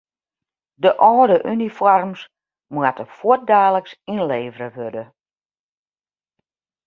De âlde unifoarms moatte fuortdaliks ynlevere wurde.